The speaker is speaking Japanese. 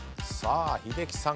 英樹さん